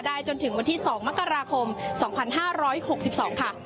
จนถึงวันที่๒มกราคม๒๕๖๒ค่ะ